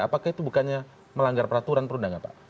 apakah itu bukannya melanggar peraturan perundangan pak